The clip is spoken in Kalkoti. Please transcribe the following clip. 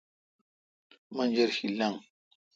منجرشی لنگ۔